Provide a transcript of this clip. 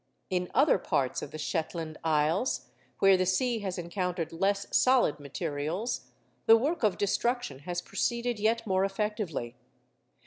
In other parts of the Shetland Isles, where the sea has encountered less solid materials, the work of destruction has proceeded yet more effectively.